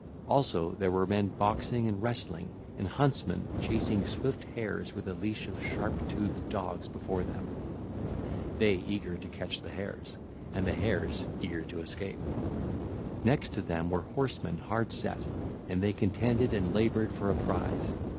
Also there were men boxing and wrestling, and huntsmen chasing swift hares with a leash of sharp toothed dogs before them, they eager to catch the hares, and the hares eager to escape. (ll 305 313) Next to them were horsemen hard set, and they contended and laboured for a prize.